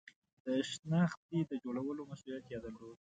د شنختې د جوړولو مسئولیت یې درلود.